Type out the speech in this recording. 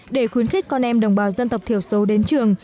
để khuyến khích con em đồng bào dân tộc thiểu số đến trường